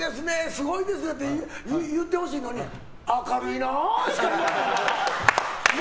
すごいですねって言ってほしいのに明るいなって。